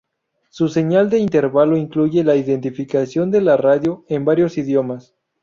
Su señal de intervalo incluye la identificación de la radio en varios idiomas.